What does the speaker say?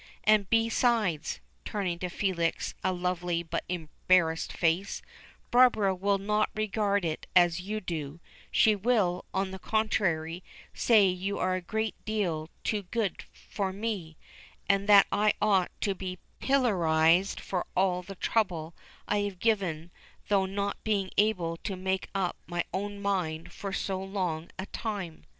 And besides," turning to Felix a lovely but embarrassed face, "Barbara will not regard it as you do; she will, on the contrary, say you are a great deal too good for me, and that I ought to be pilloried for all the trouble I have given through not being able to make up my own mind for so long a time."